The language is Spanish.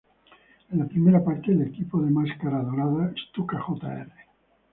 En la primera parte, el equipo de Máscara Dorada, Stuka Jr.